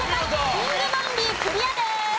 キングボンビークリアです。